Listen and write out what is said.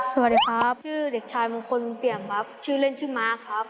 สวัสดีครับชื่อเด็กชายมงคลเปี่ยมครับชื่อเล่นชื่อม้าครับ